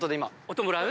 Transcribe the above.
音もらう？